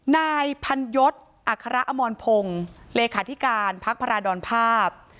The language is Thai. นายพันยศอัคระอมรพงศ์เลขาธิการพักพระราดรภาพ